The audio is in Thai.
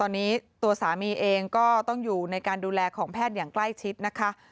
ตอนนี้ตัวสามีเองก็ต้องอยู่ในการดูแลของแพทย์อย่างใกล้ชิดนะคะ